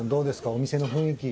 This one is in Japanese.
お店の雰囲気。